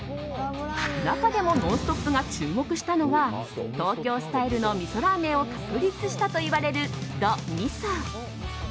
中でも「ノンストップ！」が注目したのが東京スタイルの味噌ラーメンを確立したといわれる、ど・みそ。